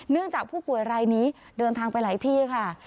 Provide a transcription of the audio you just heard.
จากผู้ป่วยรายนี้เดินทางไปหลายที่ค่ะ